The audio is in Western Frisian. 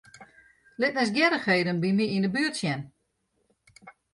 Lit nijsgjirrichheden by my yn 'e buert sjen.